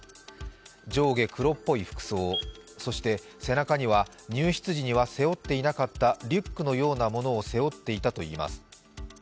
上下黒っぽい服装、そして背中には入室時には背負っていなかったリュックのようなものを背負っていたといいます。